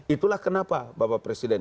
itulah kenapa bapak presiden